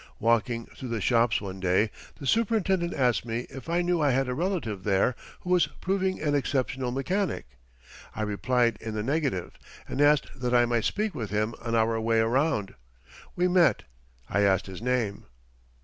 Walking through the shops one day, the superintendent asked me if I knew I had a relative there who was proving an exceptional mechanic. I replied in the negative and asked that I might speak with him on our way around. We met. I asked his name.